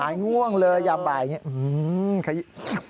หายง่วงเลยแบบบ่ายอย่างนี้